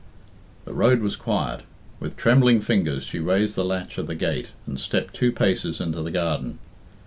The road was quiet. With trembling fingers she raised the latch of the gate, and stepped two paces into the garden.